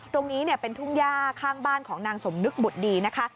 ตรงนี้เป็นทุ่งย่าข้างบ้านของนางสมนึกบุตรดีนะคะ